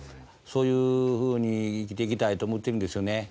そういうふうに生きていきたいと思ってるんですよね。